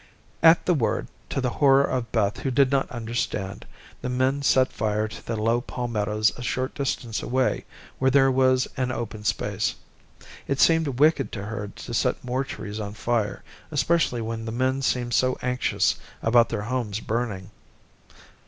At the word, to the horror of Beth who did not understand, the men set fire to the low palmettoes a short distance away where there was an open space. It seemed wicked to her to set more trees on fire, especially when the men seemed so anxious about their homes burning.